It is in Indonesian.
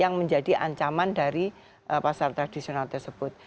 yang menjadi ancaman dari pasar tradisional tersebut